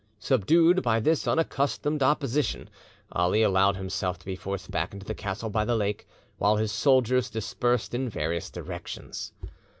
Subdued by this unaccustomed opposition, Ali allowed himself to be forced back into the castle by the lake, while his soldiers dispersed in various directions.